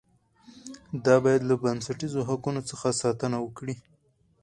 دا باید له بنسټیزو حقوقو څخه ساتنه وکړي.